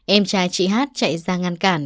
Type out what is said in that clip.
em trai chị hát chạy ra ngăn cản